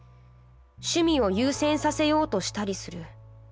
趣味を優先させようとしたりする。